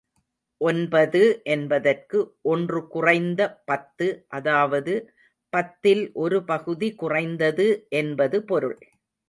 ஒன்பது என்பதற்கு, ஒன்று குறைந்த பத்து அதாவது பத்தில் ஒரு பகுதி குறைந்தது என்பது பொருள்.